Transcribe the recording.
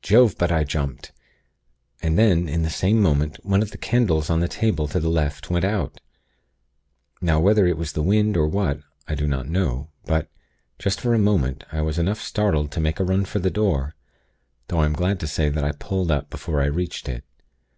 Jove! but I jumped, and then, in the same moment, one of the candles on the table to the left went out. Now whether it was the wind, or what, I do not know; but, just for a moment, I was enough startled to make a run for the door; though I am glad to say that I pulled up, before I reached it.